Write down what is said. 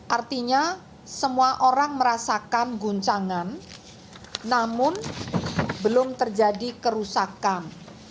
artinya semua orang merasakan guncangan namun belum terjadi kerusakan